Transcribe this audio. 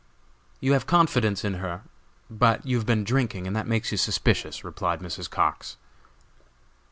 "You have confidence in her, but you have been drinking, and that makes you suspicious," replied Mrs. Cox.